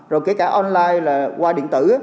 rồi kể cả online là qua điện tử